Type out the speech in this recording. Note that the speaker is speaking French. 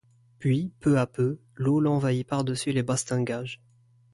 Puis, peu à peu, l’eau l’envahit par-dessus les bastingages.